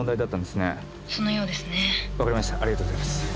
ありがとうございます。